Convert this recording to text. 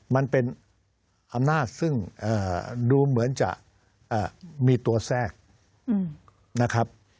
มันเป็นอำนาจซึ่งดูเหมือนจะมีตัวแทรกนะครับ